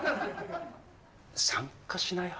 参加しない派？